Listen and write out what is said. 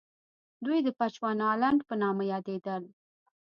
دوی د بچوانالنډ په نامه یادېدل.